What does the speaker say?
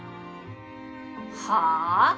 はあ？